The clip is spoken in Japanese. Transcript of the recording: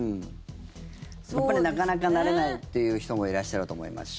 やっぱりなかなか慣れないっていう人もいらっしゃると思いますし。